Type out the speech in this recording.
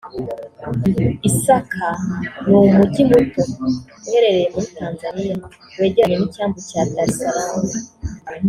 Isaka ni umujyi muto uherereye muri Tanzania wegeranye n’icyambu cya Dar es Salaam